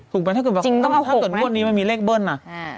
ถูกปะถ้าเกิดมันมีเลขเบิ้ลน่ะ